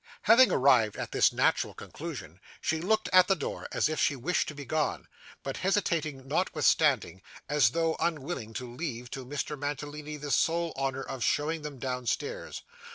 Having arrived at this natural conclusion, she looked at the door, as if she wished to be gone, but hesitated notwithstanding, as though unwilling to leave to Mr Mantalini the sole honour of showing them downstairs.